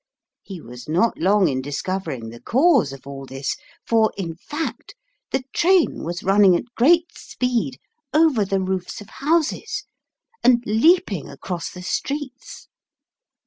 He was not long in discovering the cause of all this, for, in fact, the train was running at great speed over the roofs of houses and leaping across the streets.